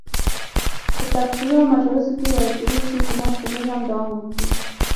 په تبصرو او مجالسو کې ویل کېږي چې حکومت که نور هم دوام وکړي.